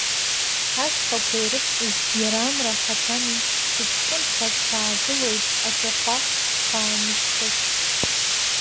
Ашьхақәа ирывҵыз иара амра ахаҭами, сыҷкәынха саагылоит ашәахәа хаа анысхьыс.